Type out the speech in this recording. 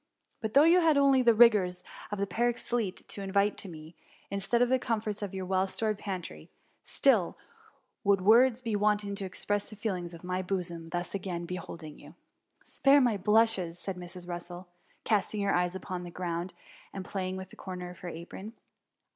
^^ But though you had only the rigours of the Para^ dete to invite me to, instead of the comforts of your well stored pantry, still would words be wanting to express the feelings of my bosom on thus again beholding you.'^ ^^ Spare my blushes !^ said Mrs. Russel, casting her eyes upon the ground, and playing with a comer of her apron.